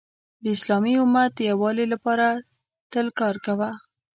د اسلامی امت د یووالي لپاره تل کار کوه .